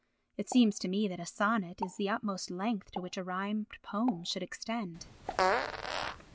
It seems to me that a sonnet is the utmost length to which a rhymed poem should extend.